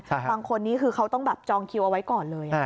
บางคนนี้คือเขาต้องแบบจองคิวเอาไว้ก่อนเลย